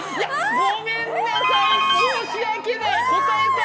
ごめんなさい！